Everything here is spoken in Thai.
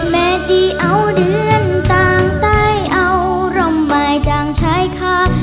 แม่จีเอาเดือนต่างใต้เอาร่ำบายจางชายค่า